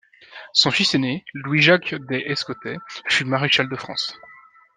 Son fils ainé, Louis-Jacques des Escotais, fut Maréchal de France.